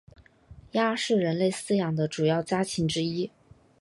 鸭是人类饲养的主要家禽之一。